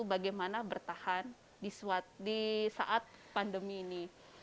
bagaimana bertahan di saat pandemi ini